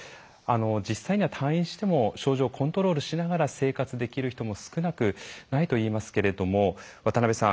実際には退院しても症状をコントロールしながら生活できる人も少なくないといいますけれども渡邉さん